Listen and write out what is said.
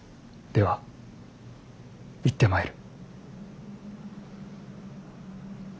では行ってまいる。